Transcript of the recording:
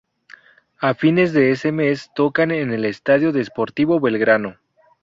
A fines de ese mes tocan en el estadio de Sportivo Belgrano.